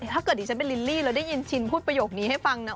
ถ้าเกิดดิฉันเป็นลิลลี่แล้วได้ยินชินพูดประโยคนี้ให้ฟังนะ